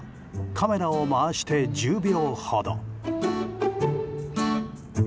カメラを回して１０秒ほど。